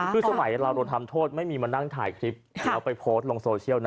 คือสมัยเราเราทำโทษไม่มีมานั่งถ่ายคลิปแล้วไปโพสต์ลงโซเชียลนะ